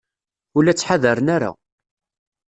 Ur la ttḥadaren ara.